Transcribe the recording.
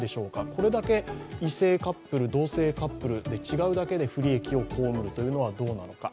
これだけ異性カップル、同性カップルで違うだけで不利益を被るというのはどうなのか。